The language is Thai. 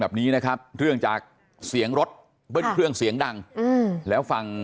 แบบนี้นะครับเรื่องจากเสียงรถเบิ้ลเครื่องเสียงดังอืมแล้วฟัง